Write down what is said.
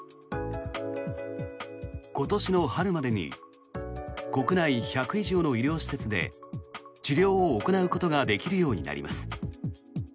今年の春までに国内１００以上の医療施設で治療を行うことができるようになります。